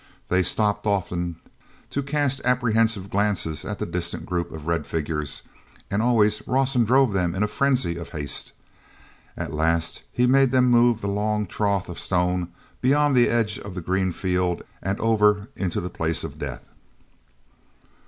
They stopped often to cast apprehensive glances at the distant group of red figures, and always Rawson drove them in a frenzy of haste. At last he made them move the long trough of stone beyond the edge of the green field and over into the Place of Death.